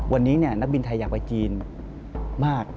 วันนี้นักบินไทยอยากไปจีนมาก